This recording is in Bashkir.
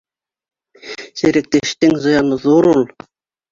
— Серек тештең зыяны ҙур ул.